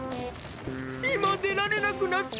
いまでられなくなった。